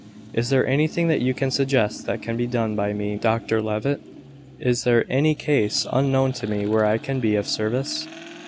Is there anything that you can suggest that can be done by me, Dr Levitt? Is there any case unknown to me where I can be of service?"